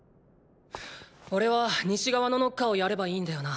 おれは西側のノッカーをやればいいんだよな？